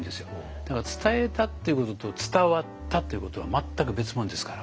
だから伝えたっていうことと伝わったっていうことは全く別物ですから。